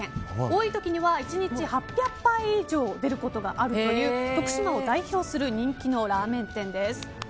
多い時には１日８００杯以上出ることがあるという徳島を代表する人気のラーメン店です。